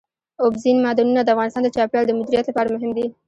اوبزین معدنونه د افغانستان د چاپیریال د مدیریت لپاره مهم دي.